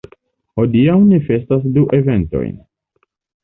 Hodiaŭ ni festas du eventojn.